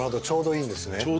ちょうどいいんですね。